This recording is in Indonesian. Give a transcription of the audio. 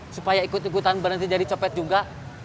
supaya ikut ikutan berhenti jadi copet juga